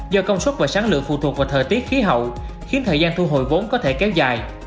do công suất và sáng lượng phụ thuộc vào thời tiết khí hậu khiến thời gian thu hồi vốn có thể kéo dài